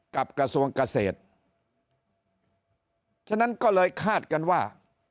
กระทรวงเกษตรฉะนั้นก็เลยคาดกันว่า